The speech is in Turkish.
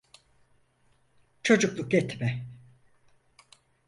Çocukluk etme.